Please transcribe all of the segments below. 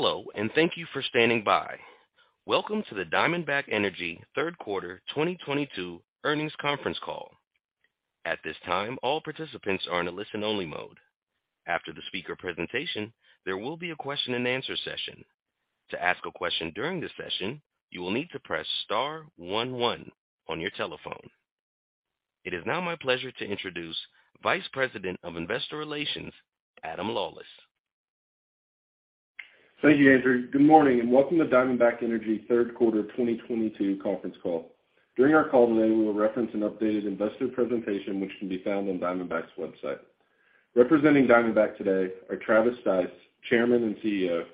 Hello, and thank you for standing by. Welcome to the Diamondback Energy third quarter 2022 earnings conference call. At this time, all participants are in a listen-only mode. After the speaker presentation, there will be a question and answer session. To ask a question during the session, you will need to press star one one on your telephone. It is now my pleasure to introduce Vice President of Investor Relations, Adam Lawlis. Thank you, Andrew. Good morning, and welcome to Diamondback Energy third quarter 2022 conference call. During our call today, we will reference an updated investor presentation which can be found on Diamondback's website. Representing Diamondback today are Travis Stice, Chairman and CEO,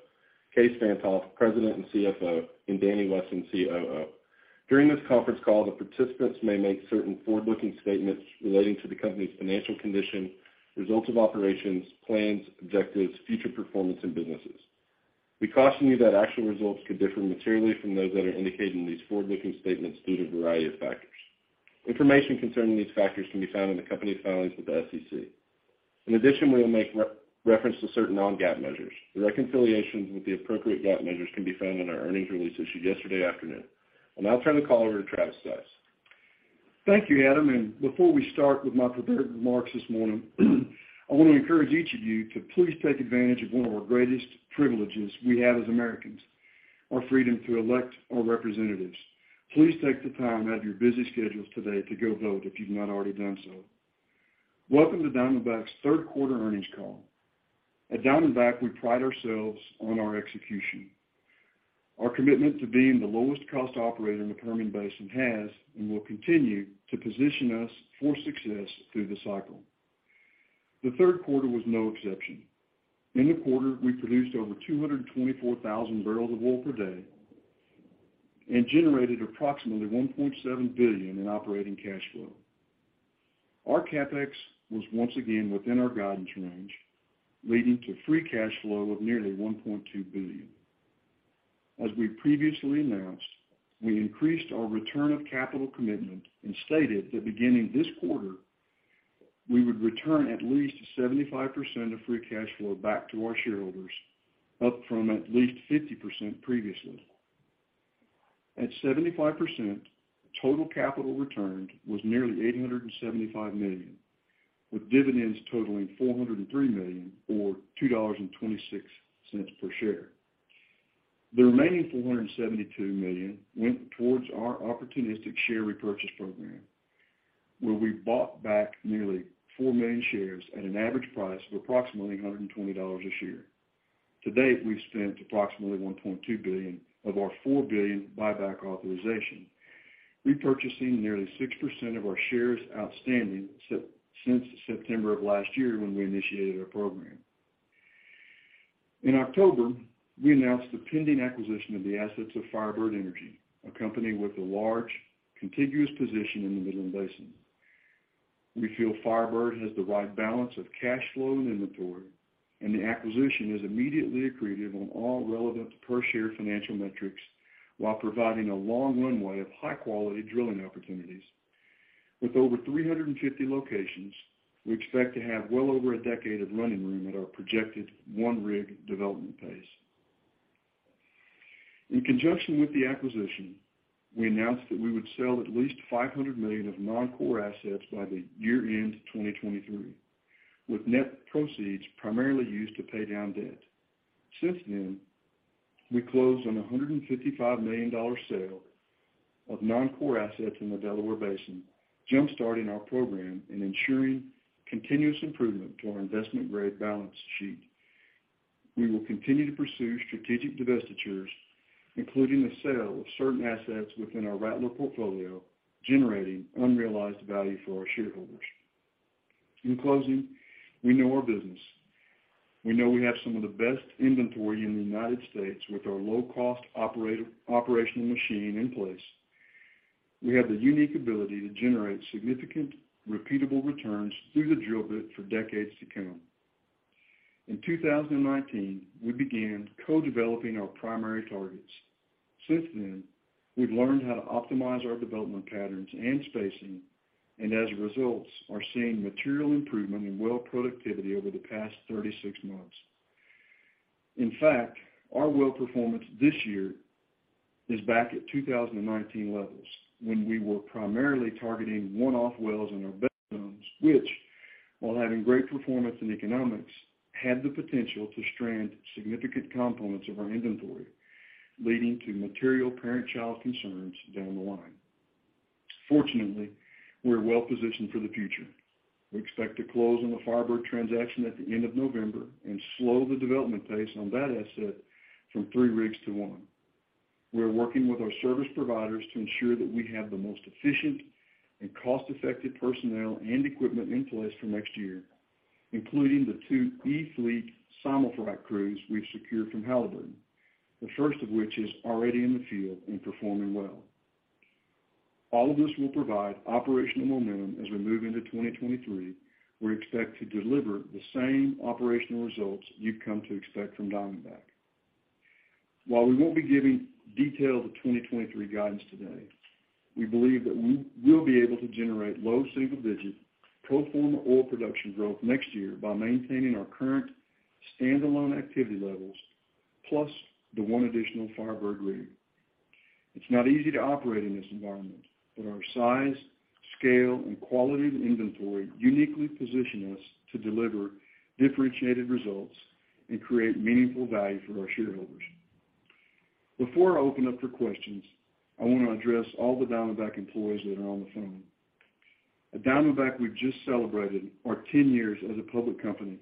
Kaes Van't Hof, President and CFO, and Danny Wesson, COO. During this conference call, the participants may make certain forward-looking statements relating to the company's financial condition, results of operations, plans, objectives, future performance, and businesses. We caution you that actual results could differ materially from those that are indicated in these forward-looking statements due to a variety of factors. Information concerning these factors can be found in the company's filings with the SEC. In addition, we will make reference to certain non-GAAP measures. The reconciliations with the appropriate GAAP measures can be found in our earnings release issued yesterday afternoon. I'll now turn the call over to Travis Stice. Thank you, Adam. Before we start with my prepared remarks this morning, I want to encourage each of you to please take advantage of one of our greatest privileges we have as Americans, our freedom to elect our representatives. Please take the time out of your busy schedules today to go vote if you've not already done so. Welcome to Diamondback's third quarter earnings call. At Diamondback, we pride ourselves on our execution. Our commitment to being the lowest cost operator in the Permian Basin has and will continue to position us for success through the cycle. The third quarter was no exception. In the quarter, we produced over 224,000 barrels of oil per day and generated approximately $1.7 billion in operating cash flow. Our CapEx was once again within our guidance range, leading to free cash flow of nearly $1.2 billion. As we previously announced, we increased our return of capital commitment and stated that beginning this quarter, we would return at least 75% of free cash flow back to our shareholders, up from at least 50% previously. At 75%, total capital returned was nearly $875 million, with dividends totaling $403 million or $2.26 per share. The remaining $472 million went towards our opportunistic share repurchase program, where we bought back nearly 4 million shares at an average price of approximately $120 a share. To date, we've spent approximately $1.2 billion of our $4 billion buyback authorization, repurchasing nearly 6% of our shares outstanding since September of last year when we initiated our program. In October, we announced the pending acquisition of the assets of FireBird Energy, a company with a large contiguous position in the Midland Basin. We feel FireBird has the right balance of cash flow and inventory, and the acquisition is immediately accretive on all relevant per-share financial metrics, while providing a long runway of high-quality drilling opportunities. With over 350 locations, we expect to have well over a decade of running room at our projected one-rig development pace. In conjunction with the acquisition, we announced that we would sell at least $500 million of non-core assets by the year-end 2023, with net proceeds primarily used to pay down debt. Since then, we closed on a $155 million sale of non-core assets in the Delaware Basin, jumpstarting our program and ensuring continuous improvement to our investment-grade balance sheet. We will continue to pursue strategic divestitures, including the sale of certain assets within our Rattler portfolio, generating unrealized value for our shareholders. In closing, we know our business. We know we have some of the best inventory in the United States with our low-cost operational machine in place. We have the unique ability to generate significant, repeatable returns through the drill bit for decades to come. In 2019, we began co-developing our primary targets. Since then, we've learned how to optimize our development patterns and spacing, and as a result, are seeing material improvement in well productivity over the past 36 months. In fact, our well performance this year is back at 2019 levels when we were primarily targeting one-off wells in our best zones, which, while having great performance and economics, had the potential to strand significant components of our inventory, leading to material parent-child concerns down the line. Fortunately, we're well-positioned for the future. We expect to close on the FireBird transaction at the end of November and slow the development pace on that asset from three rigs to one. We're working with our service providers to ensure that we have the most efficient and cost-effective personnel and equipment in place for next year, including the two e-fleet simul-frac crews we've secured from Halliburton, the first of which is already in the field and performing well. All of this will provide operational momentum as we move into 2023. We expect to deliver the same operational results you've come to expect from Diamondback. While we won't be giving detailed 2023 guidance today, we believe that we will be able to generate low single-digit pro forma oil production growth next year by maintaining our current standalone activity levels, plus the one additional FireBird rig. It's not easy to operate in this environment, but our size, scale, and quality of inventory uniquely position us to deliver differentiated results and create meaningful value for our shareholders. Before I open up for questions, I want to address all the Diamondback employees that are on the phone. At Diamondback, we've just celebrated our 10 years as a public company,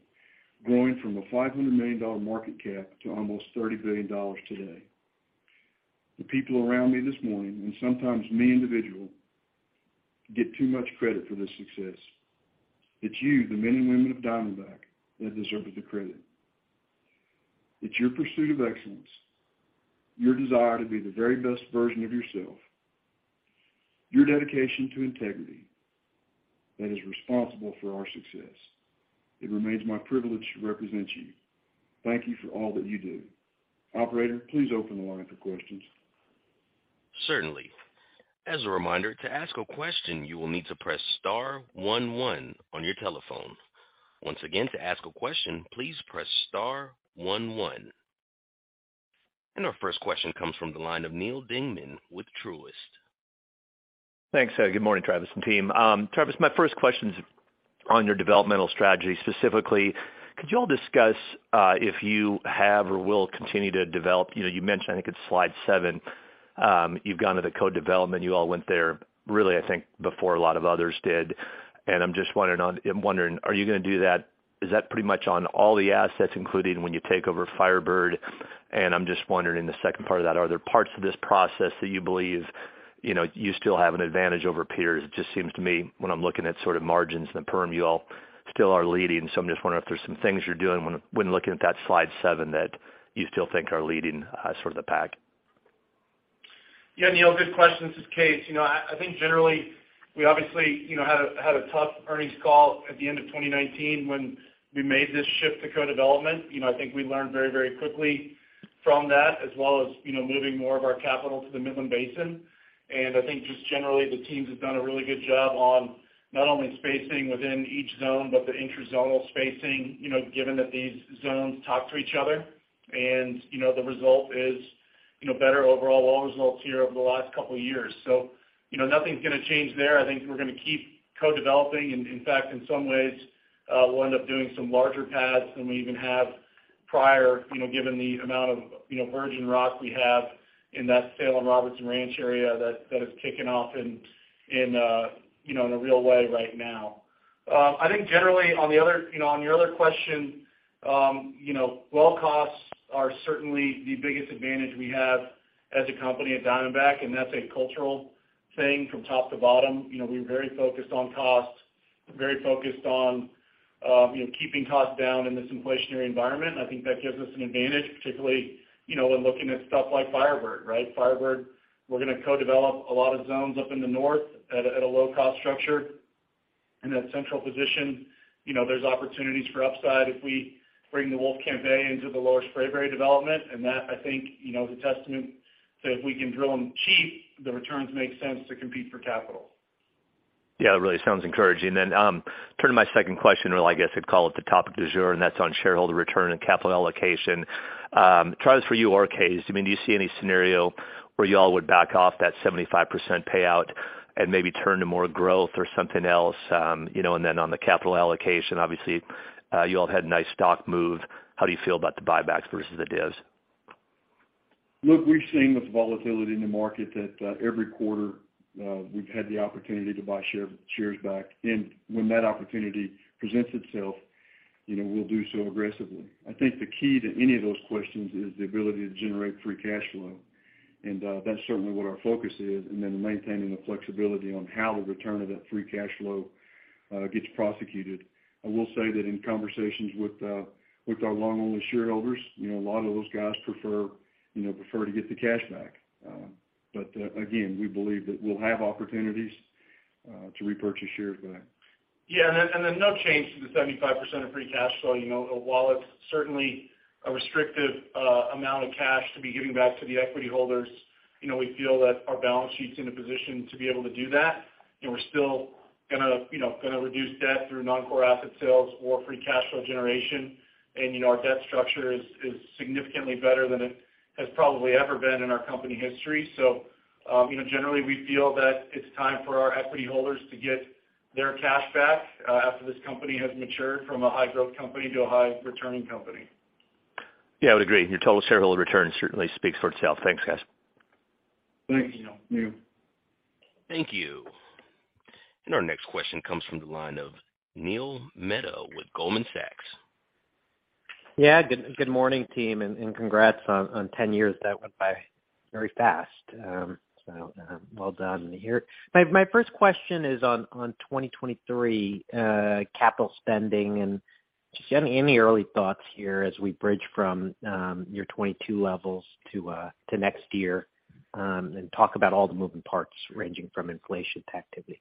growing from a $500 million market cap to almost $30 billion today. The people around me this morning, and sometimes me individual, get too much credit for this success. It's you, the men and women of Diamondback, that are deserve the credit. It's your pursuit of excellence, your desire to be the very best version of yourself, your dedication to integrity that is responsible for our success. It remains my privilege to represent you. Thank you for all that you do. Operator, please open the line for questions. Certainly. As a reminder, to ask a question, you will need to press star one one on your telephone. Once again, to ask a question, please press star one one. Our first question comes from the line of Neal Dingmann with Truist. Thanks. Good morning, Travis and team. Travis, my first question's on your developmental strategy. Specifically, could you all discuss if you have or will continue to develop? You mentioned, I think it's slide seven, you've gone to the co-development. You all went there really, I think, before a lot of others did. I'm just wondering, are you going to do that? Is that pretty much on all the assets, including when you take over FireBird? I'm just wondering in the second part of that, are there parts of this process that you believe you still have an advantage over peers? It just seems to me when I'm looking at margins in the Perm, you all still are leading. I'm just wondering if there's some things you're doing when looking at that slide seven that you still think are leading the pack. Neal, good question. This is Kaes. Generally, we obviously had a tough earnings call at the end of 2019 when we made this shift to co-development. We learned very quickly from that, as well as moving more of our capital to the Midland Basin. The teams have done a really good job on not only spacing within each zone, but the intra-zonal spacing, given that these zones talk to each other. The result is better overall well results here over the last couple of years. Nothing's going to change there. We're going to keep co-developing. In fact, in some ways, we'll end up doing some larger pads than we even have prior, given the amount of virgin rock we have in that Sale and Robertson Ranch area that is kicking off in a real way right now. Generally, on your other question, well costs are certainly the biggest advantage we have as a company at Diamondback, and that's a cultural thing from top to bottom. We're very focused on costs. We're very focused on keeping costs down in this inflationary environment. That gives us an advantage, particularly when looking at stuff like FireBird, right? FireBird, we're going to co-develop a lot of zones up in the north at a low-cost structure. In that central position, there's opportunities for upside if we bring the Wolfcamp A into the Lower Spraberry development. That is a testament to if we can drill them cheap, the returns make sense to compete for capital. Yeah, it really sounds encouraging. Turning to my second question, or I guess I'd call it the topic du jour, and that's on shareholder return and capital allocation. Travis, for you or Kaes, do you see any scenario where you all would back off that 75% payout and maybe turn to more growth or something else? On the capital allocation, obviously, you all had a nice stock move. How do you feel about the buybacks versus the divs? Look, we've seen with the volatility in the market that every quarter we've had the opportunity to buy shares back. When that opportunity presents itself, we'll do so aggressively. The key to any of those questions is the ability to generate free cash flow. That's certainly what our focus is, and then maintaining the flexibility on how the return of that free cash flow gets prosecuted. I will say that in conversations with our long-only shareholders, a lot of those guys prefer to get the cash back. Again, we believe that we'll have opportunities to repurchase shares back. No change to the 75% of free cash flow. While it's certainly a restrictive amount of cash to be giving back to the equity holders, we feel that our balance sheet's in a position to be able to do that. We're still going to reduce debt through non-core asset sales or free cash flow generation. Our debt structure is significantly better than it has probably ever been in our company history. Generally, we feel that it's time for our equity holders to get their cash back after this company has matured from a high-growth company to a high-returning company. I would agree. Your total shareholder return certainly speaks for itself. Thanks, guys. Thanks, Neal. Thank you. Our next question comes from the line of Neil Mehta with Goldman Sachs. Yeah. Good morning, team, and congrats on 10 years. That went by very fast, well done here. My first question is on 2023 capital spending, and just any early thoughts here as we bridge from your 2022 levels to next year, and talk about all the moving parts ranging from inflation to activity? Yeah.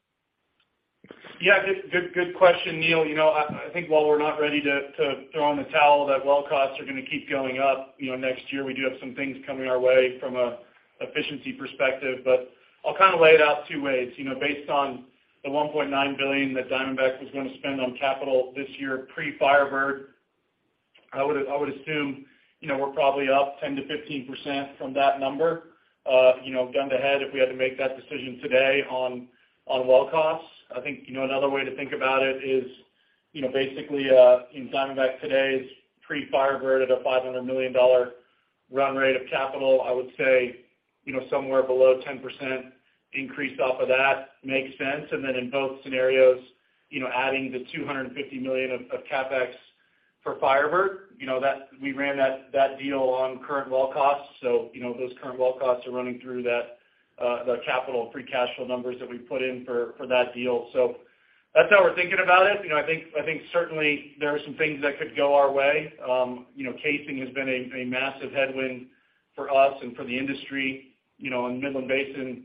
Good question, Neil. I think while we're not ready to throw in the towel that well costs are going to keep going up next year, we do have some things coming our way from an efficiency perspective. I'll lay it out two ways. Based on the $1.9 billion that Diamondback was going to spend on capital this year pre-FireBird, I would assume we're probably up 10%-15% from that number gun to head if we had to make that decision today on well costs. I think, another way to think about it is, basically, in Diamondback today's pre-FireBird at a $500 million run rate of capital, I would say, somewhere below 10% increase off of that makes sense. In both scenarios, adding the $250 million of CapEx for FireBird, we ran that deal on current well costs. Those current well costs are running through the capital free cash flow numbers that we put in for that deal. That's how we're thinking about it. I think certainly there are some things that could go our way. Casing has been a massive headwind for us and for the industry. In the Midland Basin,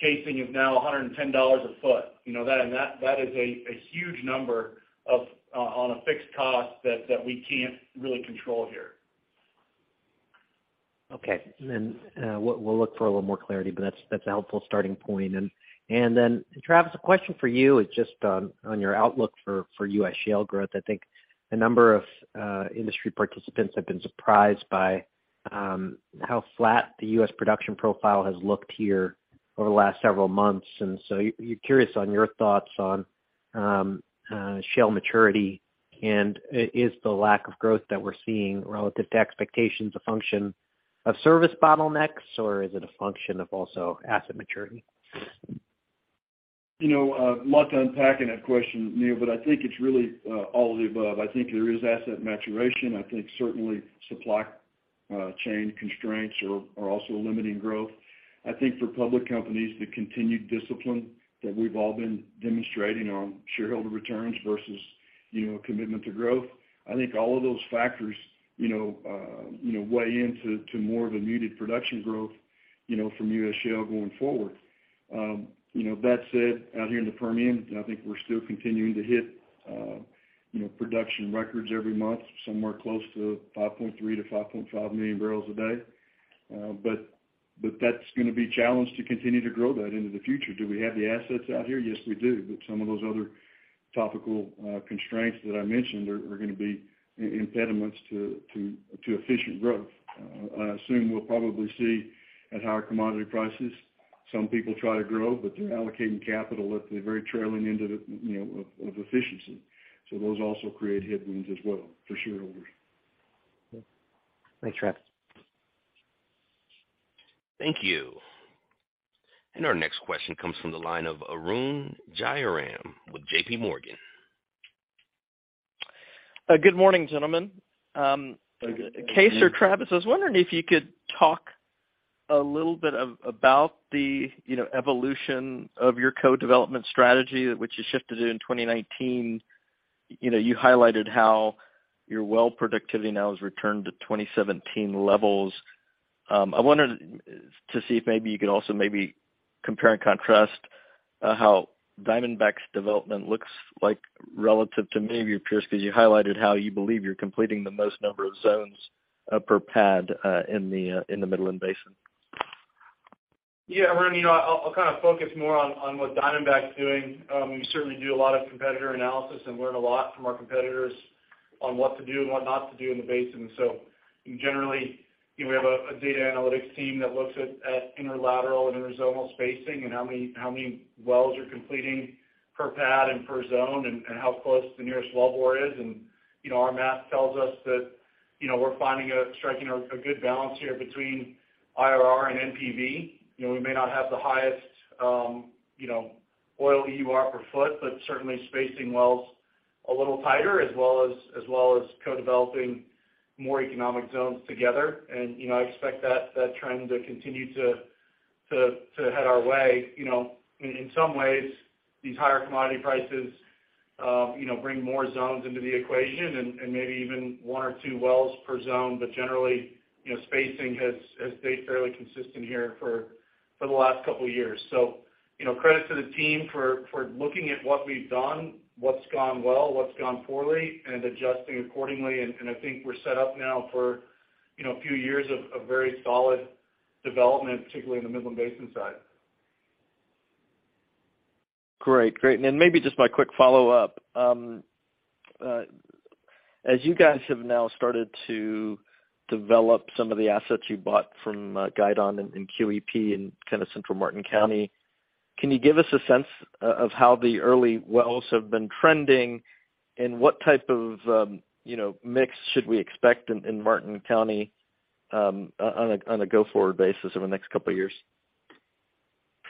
casing is now $110 a foot. That is a huge number on a fixed cost that we can't really control here. Okay. We'll look for a little more clarity, that's a helpful starting point. Travis, a question for you is just on your outlook for U.S. shale growth. I think the number of industry participants have been surprised by how flat the U.S. production profile has looked here over the last several months, you're curious on your thoughts on shale maturity. Is the lack of growth that we're seeing relative to expectations a function of service bottlenecks, or is it a function of also asset maturity? A lot to unpack in that question, Neil, but I think it's really all of the above. I think there is asset maturation. I think certainly supply chain constraints are also limiting growth. I think for public companies, the continued discipline that we've all been demonstrating on shareholder returns versus commitment to growth. I think all of those factors weigh into more of a muted production growth from U.S. shale going forward. That said, out here in the Permian, I think we're still continuing to hit production records every month, somewhere close to 5.3 million-5.5 million barrels a day. That's going to be a challenge to continue to grow that into the future. Do we have the assets out here? Yes, we do. Some of those other topical constraints that I mentioned are going to be impediments to efficient growth. Soon we'll probably see at higher commodity prices, some people try to grow, but they're allocating capital at the very trailing end of efficiency. Those also create headwinds as well for shareholders. Thanks, Travis. Thank you. Our next question comes from the line of Arun Jayaram with JPMorgan. Good morning, gentlemen. Good morning. Good morning. Kaes or Travis, I was wondering if you could talk a little bit about the evolution of your co-development strategy, which you shifted in 2019. You highlighted how your well productivity now has returned to 2017 levels. I wanted to see if maybe you could also maybe compare and contrast how Diamondback's development looks like relative to many of your peers, because you highlighted how you believe you're completing the most number of zones per pad in the Midland Basin. Yeah, Arun. I'll focus more on what Diamondback's doing. We certainly do a lot of competitor analysis and learn a lot from our competitors on what to do and what not to do in the basin. Generally, we have a data analytics team that looks at inner lateral and interzonal spacing and how many wells you're completing per pad and per zone and how close the nearest wellbore is. Our math tells us that we're striking a good balance here between IRR and NPV. We may not have the highest oil EUR per foot, but certainly spacing wells a little tighter as well as co-developing more economic zones together. I expect that trend to continue to head our way. In some ways, these higher commodity prices bring more zones into the equation and maybe even one or two wells per zone. Generally, spacing has stayed fairly consistent here for the last couple of years. Credit to the team for looking at what we've done, what's gone well, what's gone poorly, and adjusting accordingly. I think we're set up now for a few years of very solid development, particularly on the Midland Basin side. Great. Maybe just my quick follow-up. As you guys have now started to develop some of the assets you bought from Guidon and QEP and kind of Central Martin County, can you give us a sense of how the early wells have been trending and what type of mix should we expect in Martin County on a go-forward basis over the next couple of years?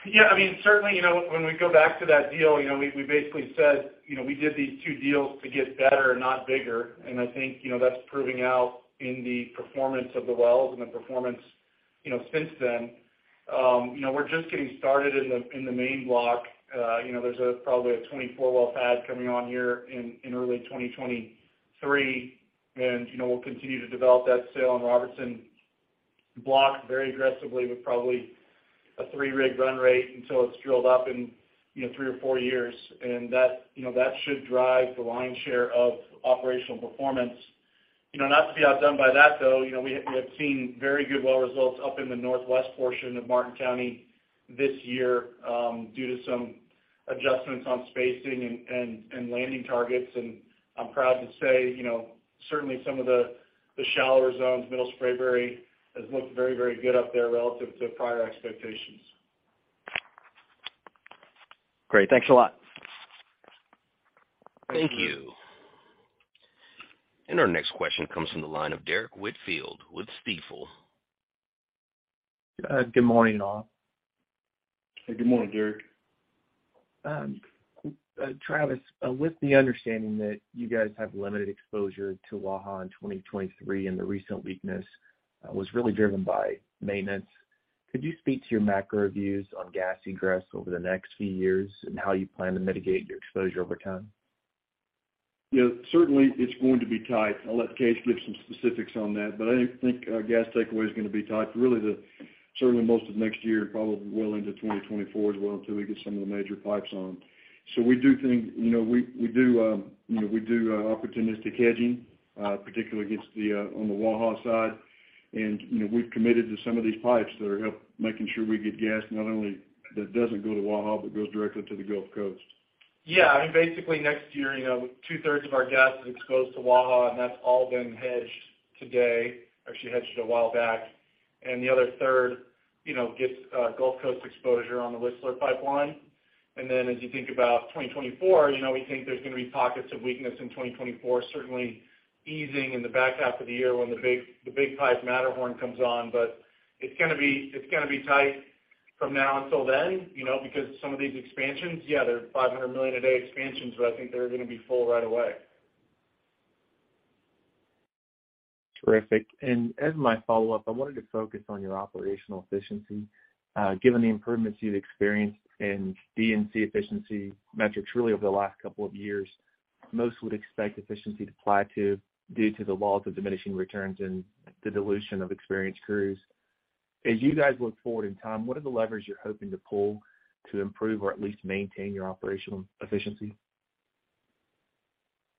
Yeah. Certainly, when we go back to that deal, we basically said we did these two deals to get better, not bigger. I think that's proving out in the performance of the wells and the performance since then. We're just getting started in the main block. There's probably a 24-well pad coming on here in early 2023. We'll continue to develop that Sale and Robertson block very aggressively with probably a three-rig run rate until it's drilled up in three or four years. That should drive the lion's share of operational performance. Not to be outdone by that, though, we have seen very good well results up in the northwest portion of Martin County this year, due to some adjustments on spacing and landing targets. I'm proud to say, certainly some of the shallower zones, Middle Spraberry, has looked very good up there relative to prior expectations. Great. Thanks a lot. Thank you. Our next question comes from the line of Derrick Whitfield with Stifel. Good morning, all. Hey, good morning, Derrick. Travis, with the understanding that you guys have limited exposure to Waha in 2023 and the recent weakness was really driven by maintenance, could you speak to your macro views on gas egress over the next few years and how you plan to mitigate your exposure over time? Certainly, it's going to be tight. I'll let Kaes give some specifics on that. I think gas takeaway is going to be tight really to certainly most of next year, probably well into 2024 as well, until we get some of the major pipes on. We do opportunistic hedging, particularly on the Waha side. We've committed to some of these pipes that are help making sure we get gas not only that doesn't go to Waha, but goes directly to the Gulf Coast. I mean, basically next year, two-thirds of our gas is exposed to Waha, that's all been hedged today, actually hedged a while back. The other third gets Gulf Coast exposure on the Whistler Pipeline. Then as you think about 2024, we think there's going to be pockets of weakness in 2024, certainly easing in the back half of the year when the big pipe Matterhorn comes on. It's going to be tight from now until then, because some of these expansions, yeah, they're 500 million a day expansions, I think they're going to be full right away. Terrific. As my follow-up, I wanted to focus on your operational efficiency. Given the improvements you've experienced in D&C efficiency metrics really over the last couple of years, most would expect efficiency to plateau due to the laws of diminishing returns and the dilution of experienced crews. As you guys look forward in time, what are the levers you're hoping to pull to improve or at least maintain your operational efficiency?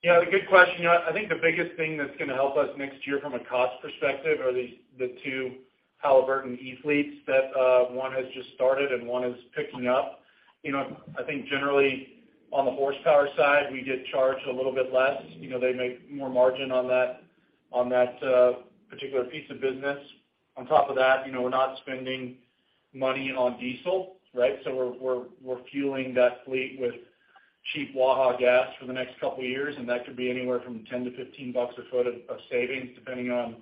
Good question. I think the biggest thing that's going to help us next year from a cost perspective are the two Halliburton e-fleets that one has just started and one is picking up. I think generally, on the horsepower side, we get charged a little bit less. They make more margin on that particular piece of business. On top of that, we're not spending money on diesel, right? We're fueling that fleet with cheap Waha gas for the next couple of years, and that could be anywhere from $10-$15 a foot of savings, depending on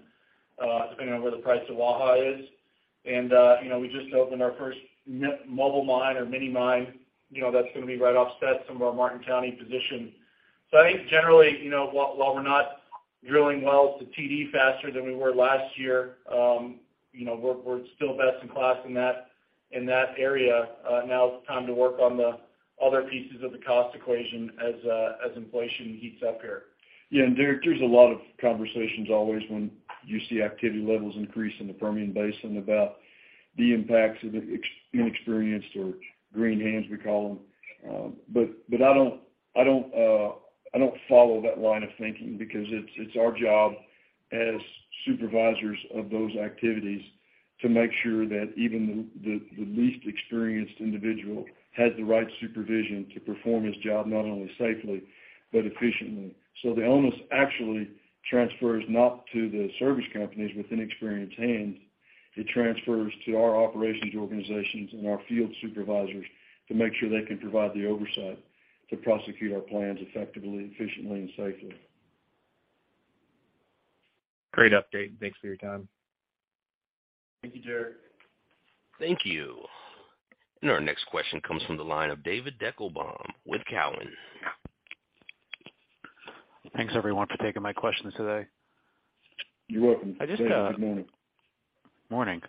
where the price of Waha is. We just opened our first mobile mine or mini mine. That's going to be right offset some of our Martin County position. I think generally, while we're not drilling wells to TD faster than we were last year, we're still best in class in that area. Now it's time to work on the other pieces of the cost equation as inflation heats up here. Derrick, there's a lot of conversations always when you see activity levels increase in the Permian Basin about the impacts of the inexperienced or green hands, we call them. I don't follow that line of thinking because it's our job as supervisors of those activities to make sure that even the least experienced individual has the right supervision to perform his job, not only safely but efficiently. The onus actually transfers not to the service companies with inexperienced hands. It transfers to our operations organizations and our field supervisors to make sure they can provide the oversight to prosecute our plans effectively, efficiently and safely. Great update. Thanks for your time. Thank you, Derrick. Our next question comes from the line of David Deckelbaum with Cowen. Thanks, everyone, for taking my questions today. You're welcome. Good morning.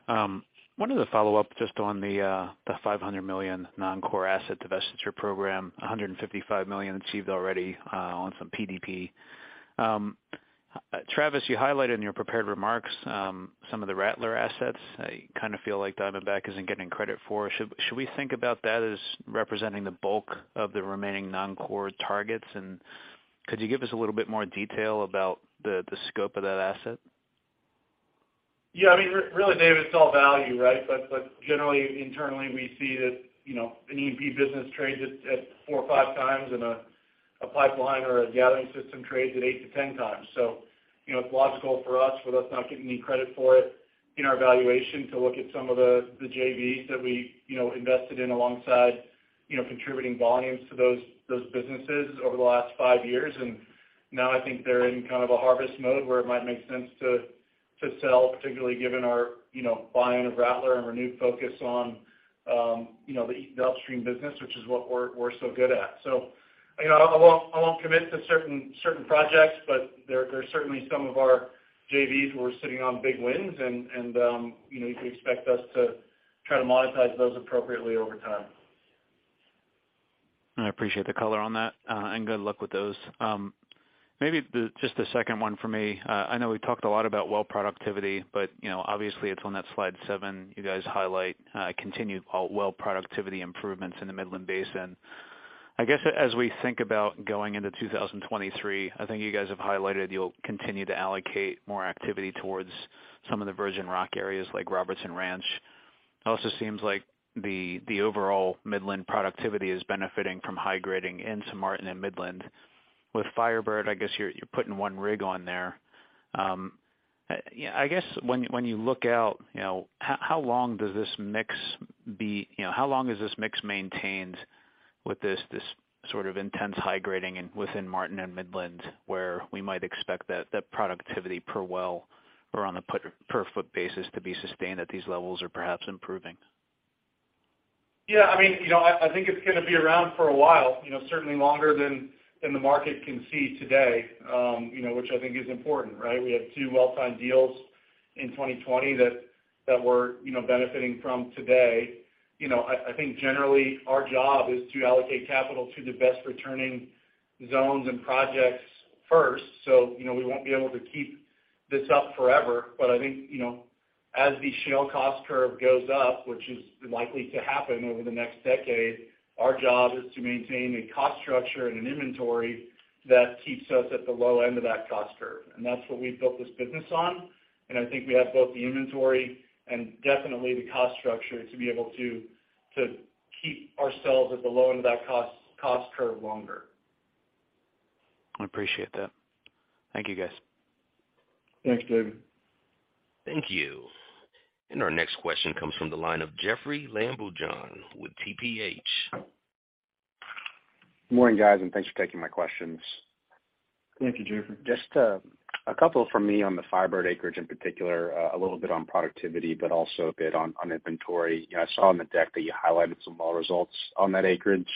Morning. Wanted to follow up just on the $500 million non-core asset divestiture program, $155 million achieved already on some PDP. Travis, you highlighted in your prepared remarks some of the Rattler assets I kind of feel like Diamondback isn't getting credit for. Should we think about that as representing the bulk of the remaining non-core targets? Could you give us a little bit more detail about the scope of that asset? Yeah. I mean, really, David, it's all value, right? Generally, internally, we see that an E&P business trades at 4 or 5 times and a pipeline or a gathering system trades at 8 to 10 times. It's logical for us, with us not getting any credit for it in our valuation, to look at some of the JVs that we invested in alongside contributing volumes to those businesses over the last 5 years. Now I think they're in kind of a harvest mode where it might make sense to sell, particularly given our buying of Rattler and renewed focus on the upstream business, which is what we're so good at. I won't commit to certain projects, but there are certainly some of our JVs who are sitting on big wins, and you can expect us to try to monetize those appropriately over time. I appreciate the color on that. Good luck with those. Maybe just a second one from me. I know we talked a lot about well productivity, obviously it's on that slide seven, you guys highlight continued well productivity improvements in the Midland Basin. I guess, as we think about going into 2023, I think you guys have highlighted you'll continue to allocate more activity towards some of the Virgin Rock areas, like Robertson Ranch. It also seems like the overall Midland productivity is benefiting from high grading in some Martin and Midland. With FireBird, I guess you're putting one rig on there. I guess, when you look out, how long is this mix maintained with this sort of intense high grading within Martin and Midland, where we might expect that productivity per well or on a per foot basis to be sustained at these levels or perhaps improving? Yeah. I think it's going to be around for a while. Certainly longer than the market can see today, which I think is important, right? We had two well-timed deals in 2020 that we're benefiting from today. I think generally our job is to allocate capital to the best returning zones and projects first. We won't be able to keep this up forever, but I think, as the shale cost curve goes up, which is likely to happen over the next decade, our job is to maintain a cost structure and an inventory that keeps us at the low end of that cost curve. That's what we've built this business on. I think we have both the inventory and definitely the cost structure to be able to keep ourselves at the low end of that cost curve longer. I appreciate that. Thank you, guys. Thanks, David. Thank you. Our next question comes from the line of Jeoffrey Lambujon, with TPH. Good morning, guys. Thanks for taking my questions. Thank you, Jeoffrey. Just a couple from me on the FireBird acreage in particular. A little bit on productivity, but also a bit on inventory. I saw on the deck that you highlighted some well results on that acreage.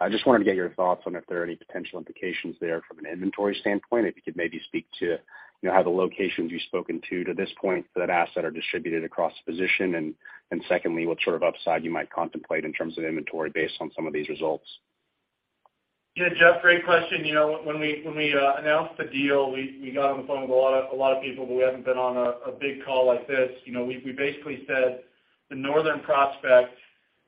I just wanted to get your thoughts on if there are any potential implications there from an inventory standpoint, if you could maybe speak to how the locations you've spoken to to this point for that asset are distributed across the position. Secondly, what sort of upside you might contemplate in terms of inventory based on some of these results? Yeah, Jeff, great question. When we announced the deal, we got on the phone with a lot of people, but we haven't been on a big call like this. We basically said the northern prospect,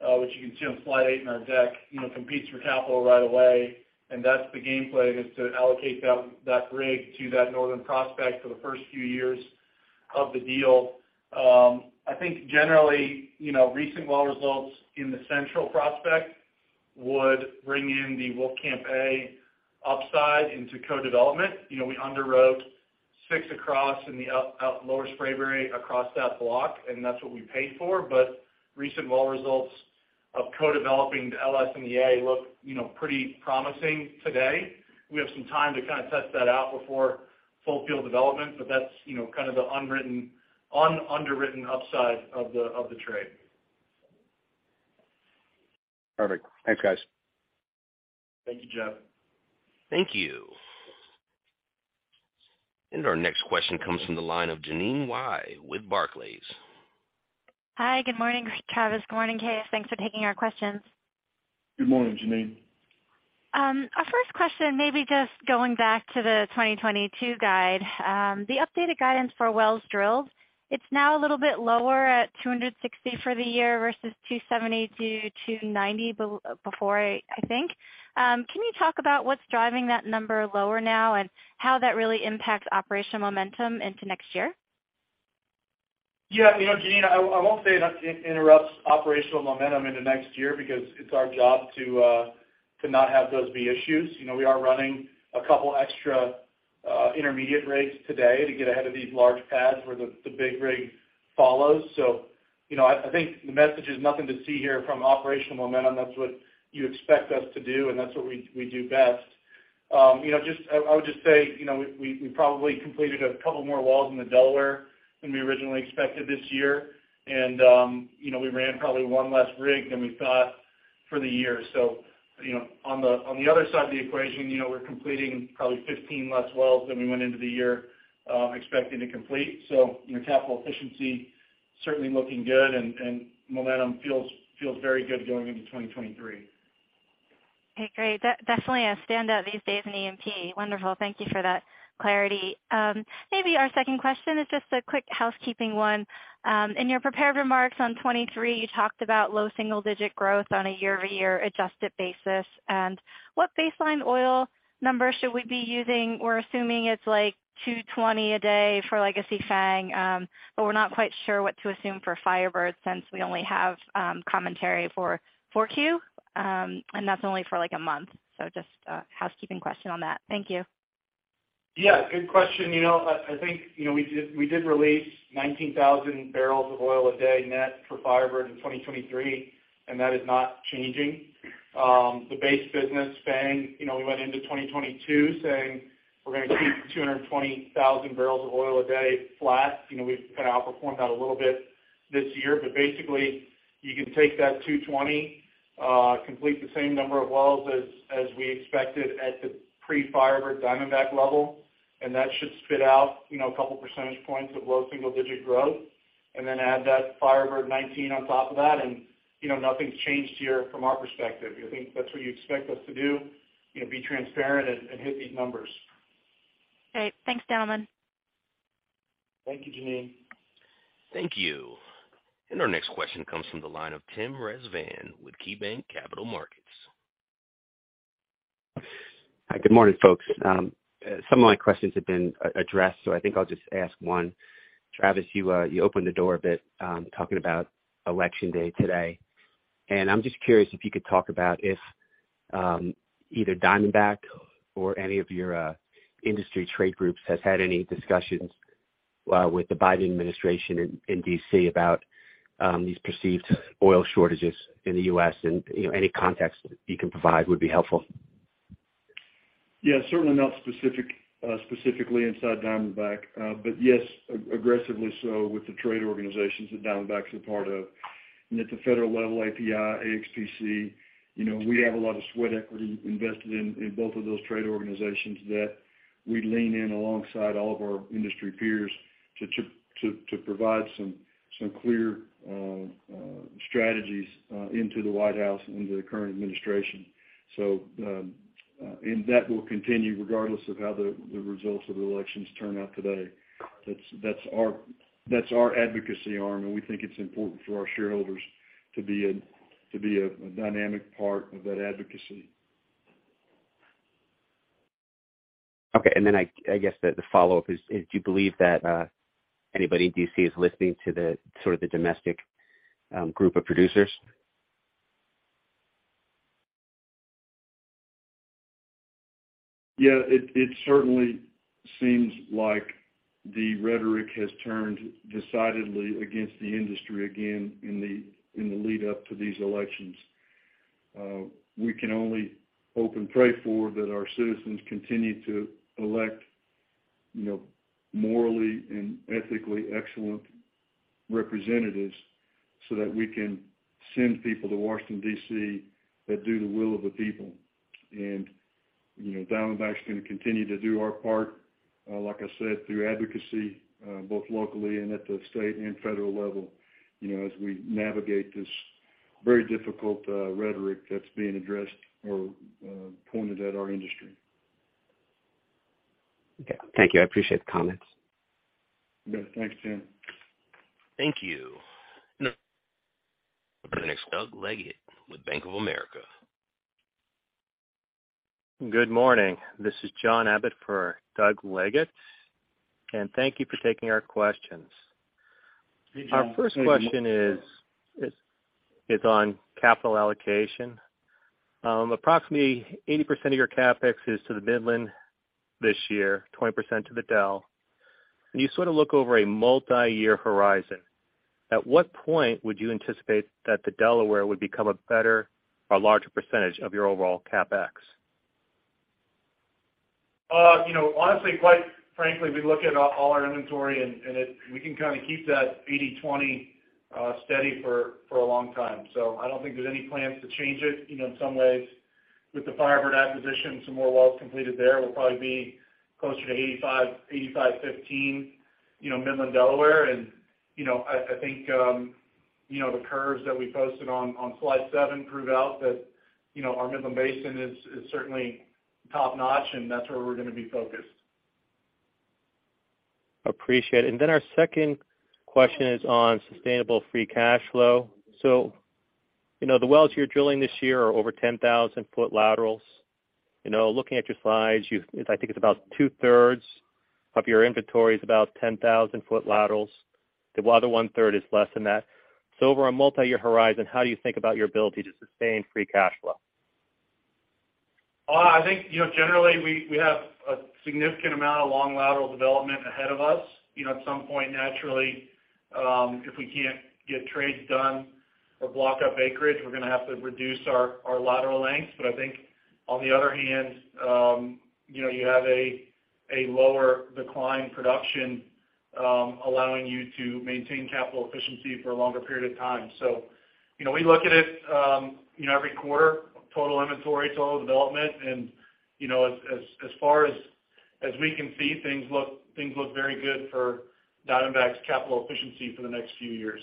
which you can see on slide eight in our deck, competes for capital right away, and that's the game play, is to allocate that rig to that northern prospect for the first few years of the deal. I think generally, recent well results in the central prospect would bring in the Wolfcamp A upside into co-development. We underwrote six across in the Lower Spraberry across that block, and that's what we paid for. Recent well results of co-developing the LS and the A look pretty promising today. We have some time to kind of test that out before full field development, but that's kind of the underwritten upside of the trade. Perfect. Thanks, guys. Thank you, Jeff. Thank you. Our next question comes from the line of Jeanine Wai with Barclays. Hi, good morning, Travis. Good morning, Kaes. Thanks for taking our questions. Good morning, Jeanine. Our first question, maybe just going back to the 2022 guide. The updated guidance for wells drilled, it's now a little bit lower at 260 for the year versus 270-290 before, I think. Can you talk about what's driving that number lower now and how that really impacts operational momentum into next year? Yeah. Jeanine, I won't say it interrupts operational momentum into next year because it's our job to not have those be issues. We are running a couple extra intermediate rigs today to get ahead of these large pads where the big rig follows. I think the message is nothing to see here from operational momentum. That's what you expect us to do, and that's what we do best. I would just say, we probably completed a couple more wells in the Delaware than we originally expected this year. We ran probably one less rig than we thought for the year. On the other side of the equation, we're completing probably 15 less wells than we went into the year expecting to complete. Capital efficiency certainly looking good and momentum feels very good going into 2023. Okay, great. Definitely a standout these days in E&P. Wonderful. Thank you for that clarity. Maybe our second question is just a quick housekeeping one. In your prepared remarks on 2023, you talked about low single-digit growth on a year-over-year adjusted basis. What baseline oil number should we be using? We're assuming it's, like, 220 a day for legacy Fang. We're not quite sure what to assume for FireBird since we only have commentary for 4Q, and that's only for, like, a month. Just a housekeeping question on that. Thank you. Yeah, good question. I think we did release 19,000 barrels of oil a day net for FireBird in 2023, and that is not changing. The base business Fang, we went into 2022 saying we're going to keep 220,000 barrels of oil a day flat. We've kind of outperformed that a little bit this year, but basically you can take that 220, complete the same number of wells as we expected at the pre-FireBird Diamondback Energy level, and that should spit out a couple percentage points of low single-digit growth. Then add that FireBird 19 on top of that and nothing's changed here from our perspective. I think that's what you expect us to do, be transparent and hit these numbers. Okay. Thanks, gentlemen. Thank you, Jeanine. Thank you. Our next question comes from the line of Tim Rezvan with KeyBanc Capital Markets. Hi. Good morning, folks. Some of my questions have been addressed, so I think I'll just ask one. Travis, you opened the door a bit, talking about election day today, and I am just curious if you could talk about if, either Diamondback or any of your industry trade groups has had any discussions with the Biden administration in D.C. about these perceived oil shortages in the U.S. and any context you can provide would be helpful. Yeah, certainly not specifically inside Diamondback. Yes, aggressively so with the trade organizations that Diamondback's a part of. At the federal level, API, AXPC, we have a lot of sweat equity invested in both of those trade organizations that we lean in alongside all of our industry peers to provide some clear strategies into the White House and into the current administration. That will continue regardless of how the results of the elections turn out today. That's our advocacy arm, and we think it's important for our shareholders to be a dynamic part of that advocacy. Okay. I guess the follow-up is, do you believe that anybody in D.C. is listening to the domestic group of producers? Yeah. It certainly seems like the rhetoric has turned decidedly against the industry again in the lead up to these elections. We can only hope and pray for that our citizens continue to elect morally and ethically excellent representatives so that we can send people to Washington, D.C., that do the will of the people. Diamondback's going to continue to do our part, like I said, through advocacy, both locally and at the state and federal level, as we navigate this very difficult rhetoric that's being addressed or pointed at our industry. Okay. Thank you. I appreciate the comments. Yeah. Thanks, Tim. Thank you. Next, Doug Leggate with Bank of America. Good morning. This is John Abbott for Doug Leggate. Thank you for taking our questions. Hey, John. Our first question is on capital allocation. Approximately 80% of your CapEx is to the Midland this year, 20% to the Delaware. When you look over a multi-year horizon, at what point would you anticipate that the Delaware would become a better or larger percentage of your overall CapEx? Honestly, quite frankly, we look at all our inventory, we can kind of keep that 80/20 steady for a long time. I don't think there's any plans to change it. In some ways, with the FireBird acquisition, some more wells completed there, we'll probably be closer to 85/15, Midland, Delaware. I think the curves that we posted on slide seven prove out that our Midland Basin is certainly top-notch, and that's where we're going to be focused. Appreciate it. Our second question is on sustainable free cash flow. The wells you're drilling this year are over 10,000-foot laterals. Looking at your slides, I think it's about two-thirds of your inventory is about 10,000-foot laterals. The other one-third is less than that. Over a multi-year horizon, how do you think about your ability to sustain free cash flow? I think, generally, we have a significant amount of long lateral development ahead of us. At some point, naturally, if we can't get trades done or block up acreage, we're going to have to reduce our lateral lengths. I think on the other hand, you have a lower decline production, allowing you to maintain capital efficiency for a longer period of time. We look at it every quarter, total inventory, total development, and as far as we can see, things look very good for Diamondback's capital efficiency for the next few years.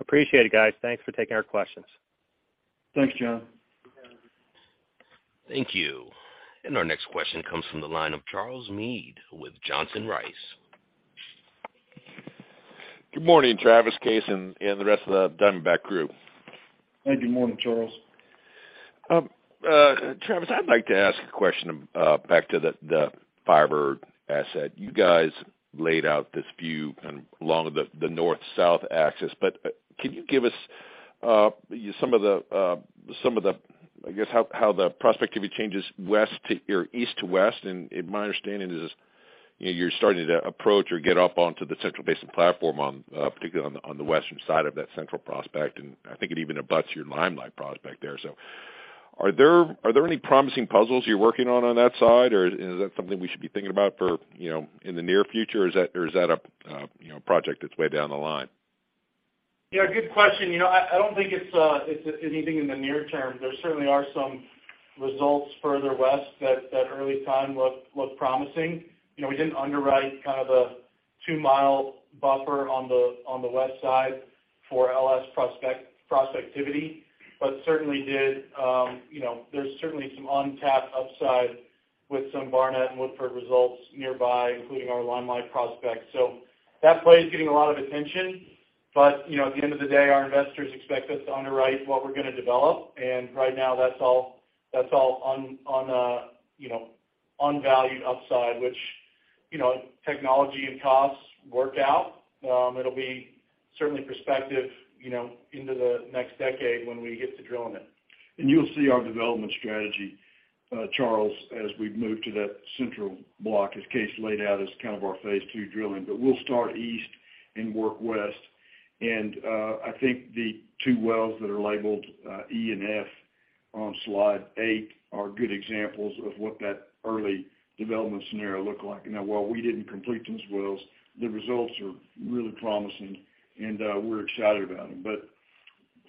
Appreciate it, guys. Thanks for taking our questions. Thanks, John. Thank you. Our next question comes from the line of Charles Meade with Johnson Rice. Good morning, Travis, Kaes, and the rest of the Diamondback crew. Good morning, Charles. Travis, I'd like to ask a question back to the FireBird asset. You guys laid out this view along the north-south axis, but can you give us how the prospectivity changes east to west? My understanding is you're starting to approach or get up onto the Central Basin Platform, particularly on the western side of that central prospect, and I think it even abuts your Limelight prospect there. Are there any promising puzzles you're working on on that side, or is that something we should be thinking about in the near future, or is that a project that's way down the line? Yeah, good question. I don't think it's anything in the near term. There certainly are some results further west that at early time look promising. We didn't underwrite kind of a two-mile buffer on the west side for LS prospectivity, but there's certainly some untapped upside with some Barnett and Woodford results nearby, including our Limelight prospect. That play is getting a lot of attention. At the end of the day, our investors expect us to underwrite what we're going to develop. Right now, that's all unvalued upside, which, technology and costs work out, it'll be certainly prospective into the next decade when we get to drilling it. You'll see our development strategy, Charles, as we move to that central block, as Kaes laid out as kind of our phase 2 drilling. We'll start east and work west. I think the two wells that are labeled E and F on slide eight are good examples of what that early development scenario looked like. While we didn't complete those wells, the results are really promising, and we're excited about them.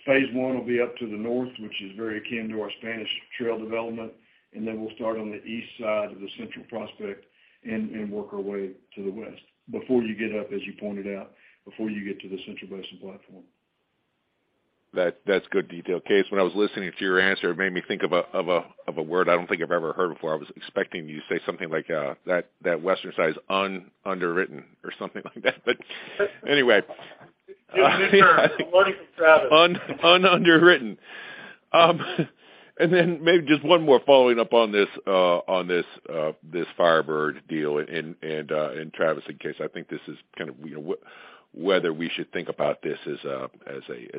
Phase 1 will be up to the north, which is very akin to our Spanish Trail development, and then we'll start on the east side of the Central prospect and work our way to the west. Before you get up, as you pointed out, before you get to the Central Basin Platform. That's good detail, Kaes. When I was listening to your answer, it made me think of a word I don't think I've ever heard before. I was expecting you to say something like, that western side is underwritten or something like that. Anyway. It's a new term. Learning from Travis. Un-underwritten. Maybe just one more following up on this FireBird deal, and Travis and Kaes, I think this is kind of whether we should think about this as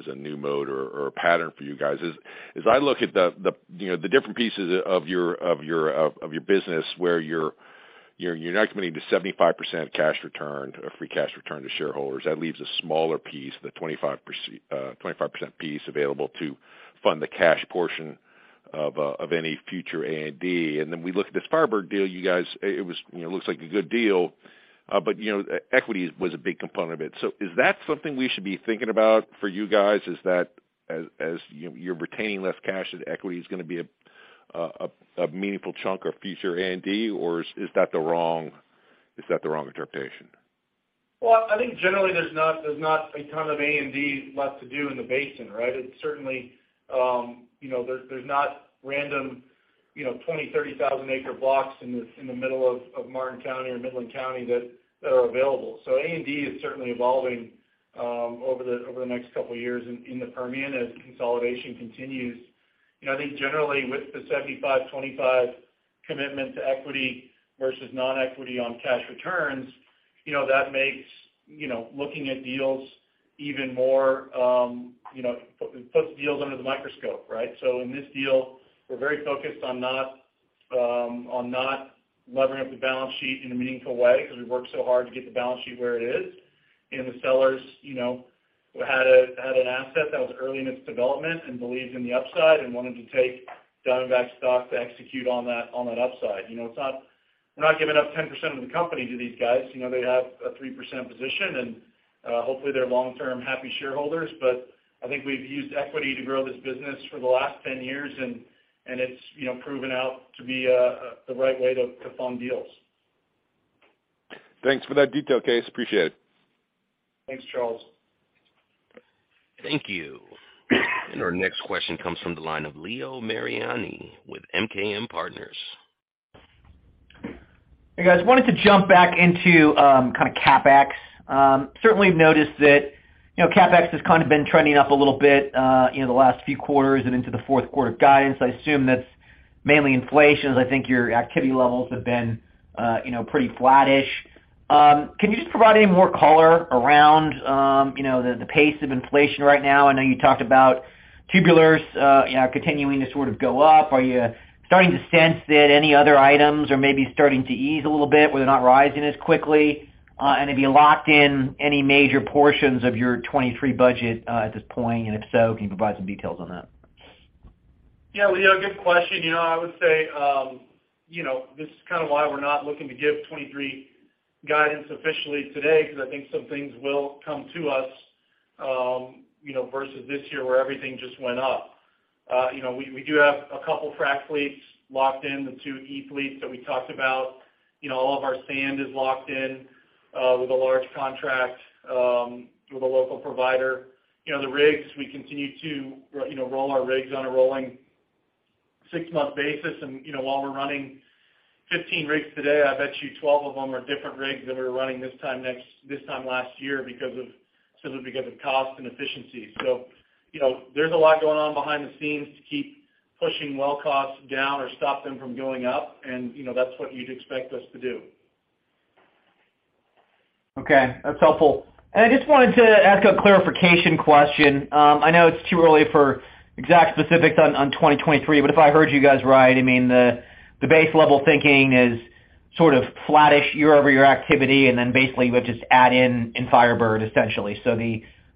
a new mode or a pattern for you guys. As I look at the different pieces of your business where you're now committing to 75% cash return, free cash return to shareholders, that leaves a smaller piece, the 25% piece available to fund the cash portion of any future A&D. We look at this FireBird deal, you guys, it looks like a good deal. Equity was a big component of it. Is that something we should be thinking about for you guys? Is that as you're retaining less cash, that equity is going to be a meaningful chunk of future A&D, or is that the wrong interpretation? I think generally there's not a ton of A&D left to do in the basin, right? Certainly there's not random 20,000, 30,000 acre blocks in the middle of Martin County or Midland County that are available. A&D is certainly evolving over the next couple of years in the Permian as consolidation continues. I think generally with the 75/25 commitment to equity versus non-equity on cash returns, that makes looking at deals even more, it puts deals under the microscope, right? In this deal, we're very focused on not levering up the balance sheet in a meaningful way because we've worked so hard to get the balance sheet where it is. And the sellers, had an asset that was early in its development and believed in the upside and wanted to take Diamondback stock to execute on that upside. We're not giving up 10% of the company to these guys. They have a 3% position, and hopefully they're long-term happy shareholders. I think we've used equity to grow this business for the last 10 years, and it's proven out to be the right way to fund deals. Thanks for that detail, Kaes. Appreciate it. Thanks, Charles. Thank you. Our next question comes from the line of Leo Mariani with MKM Partners. Hey, guys. Wanted to jump back into CapEx. Certainly, we've noticed that CapEx has kind of been trending up a little bit the last few quarters and into the fourth quarter guidance. I assume that's mainly inflation, as I think your activity levels have been pretty flattish. Can you just provide any more color around the pace of inflation right now? I know you talked about tubulars continuing to sort of go up. Are you starting to sense that any other items are maybe starting to ease a little bit, or they're not rising as quickly? Have you locked in any major portions of your 2023 budget at this point? If so, can you provide some details on that? Yeah, Leo, good question. I would say, this is kind of why we're not looking to give 2023 guidance officially today, because I think some things will come to us, versus this year where everything just went up. We do have a couple frack fleets locked in, the two e-fleets that we talked about. All of our sand is locked in with a large contract with a local provider. The rigs, we continue to roll our rigs on a rolling six-month basis. While we're running 15 rigs today, I bet you 12 of them are different rigs than we were running this time last year because of cost and efficiency. There's a lot going on behind the scenes to keep pushing well costs down or stop them from going up, and that's what you'd expect us to do. Okay. That's helpful. I just wanted to ask a clarification question. I know it's too early for exact specifics on 2023, but if I heard you guys right, the base level thinking is sort of flattish year-over-year activity, and then basically you would just add in FireBird, essentially.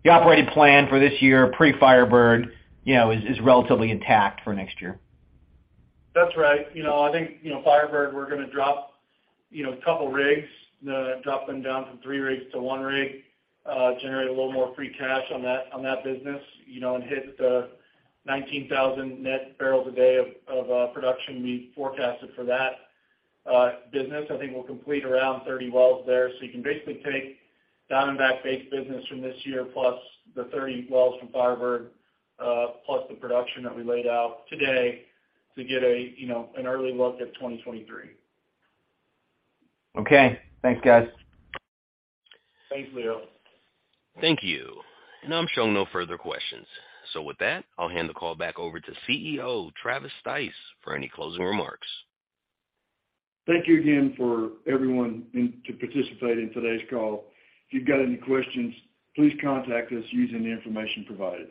The operating plan for this year, pre-FireBird, is relatively intact for next year. That's right. I think FireBird, we're going to drop a couple rigs, drop them down from three rigs to one rig. Generate a little more free cash on that business, hit the 19,000 net barrels a day of production we forecasted for that business. I think we'll complete around 30 wells there. You can basically take Diamondback base business from this year, plus the 30 wells from FireBird, plus the production that we laid out today to get an early look at 2023. Okay. Thanks, guys. Thanks, Leo. Thank you. I'm showing no further questions. With that, I'll hand the call back over to CEO, Travis Stice, for any closing remarks. Thank you again for everyone to participate in today's call. If you've got any questions, please contact us using the information provided.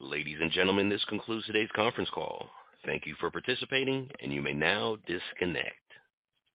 Ladies and gentlemen, this concludes today's conference call. Thank you for participating, and you may now disconnect.